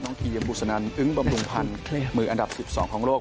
ทีมบุษนันอึ้งบำรุงพันธ์มืออันดับ๑๒ของโลก